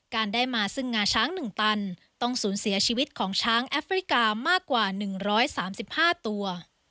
การได้มาซึ่งงาช้าง๑ตันต้องสูญเสียชีวิตของช้างแอฟริกามากกว่า๑๓๕ตัว